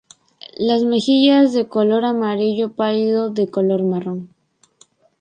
Las semillas de color amarillo pálido, de color marrón.